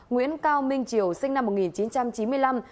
nguyễn cao minh triều sinh năm một nghìn chín trăm chín mươi năm